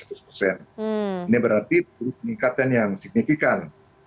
ini berarti peningkatan yang signifikan